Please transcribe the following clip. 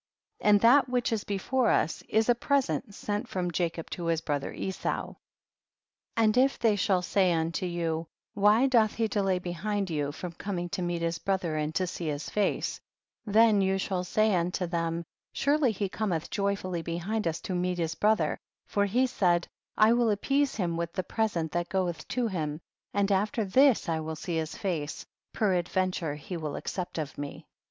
45. And that which is before us is a present sent from Jacob to his bro ther Esau. 46. And if they shall say unto you, why doth he delay behind you, from coming to meet his brother and to see his face, then you shall say unto them, surely he cometh joyfully behind us to meet his brother, for he said, I will appease him with the present that goeth to him, and after this I will see his face, peradventure he will accept of me.